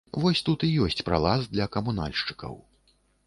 Вось тут і ёсць пралаз для камунальшчыкаў.